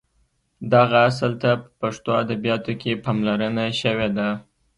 دغه اصل ته په پښتو ادبیاتو کې پاملرنه شوې ده.